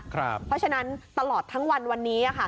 เพราะฉะนั้นตลอดทั้งวันวันนี้ค่ะ